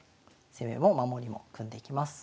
攻めも守りも組んでいきます。